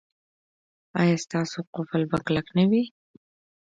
ایا ستاسو قفل به کلک نه وي؟